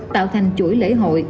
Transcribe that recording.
tạo thành chuỗi lễ hội